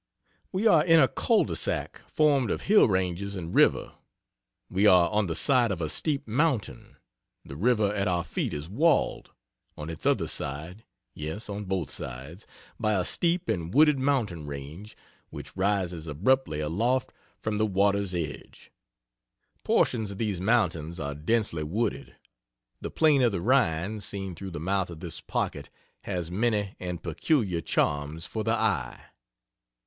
We are in a Cul de sac formed of hill ranges and river; we are on the side of a steep mountain; the river at our feet is walled, on its other side, (yes, on both sides,) by a steep and wooded mountain range which rises abruptly aloft from the water's edge; portions of these mountains are densely wooded; the plain of the Rhine, seen through the mouth of this pocket, has many and peculiar charms for the eye.